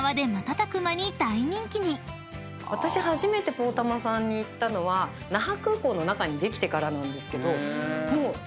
私初めて「ポーたま」さんに行ったのは那覇空港の中にできてからなんですけどもう。